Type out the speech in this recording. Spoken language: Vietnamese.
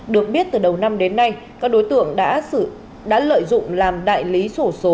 được biết từ đầu năm đến nay các đối tượng đã lợi dụng làm đại lý sổ số